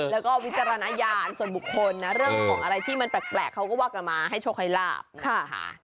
แล้วก็วิจารณญาณส่วนบุคคลนะเรื่องของอะไรที่มันแปลกเขาก็ว่ากันมาให้โชคให้ลาบนะคะ